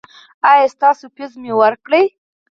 ایا ستاسو فیس مې ورکړ؟